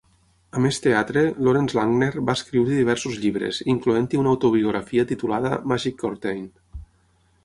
A més teatre, Lawrence Langner va escriure diversos llibres, incloent-hi una autobiografia titulada "Magic Curtain".